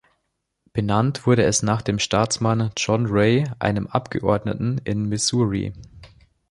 Benannt wurde es nach dem Staatsmann "John Ray", einem Abgeordneten in Missouri.